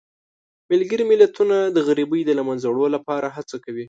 ملګري ملتونه د غریبۍ د له منځه وړلو لپاره هڅه کوي.